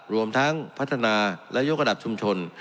รวมทั้งพัฒนาและยกระดับชุมชน